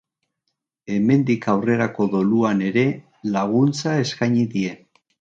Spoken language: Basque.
Hemendik aurrerako doluan ere, laguntza eskaini die.